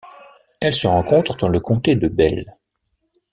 Elle se rencontre dans le comté de Bell.